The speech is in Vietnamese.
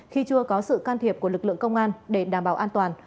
khi chưa có sự can thiệp của lực lượng công an để đảm bảo an toàn